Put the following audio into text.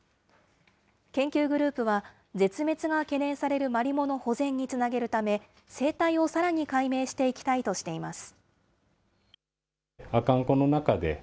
研究グループは、絶滅が懸念されるマリモの保全につなげるため、生態をさらに解明していきたいとしています。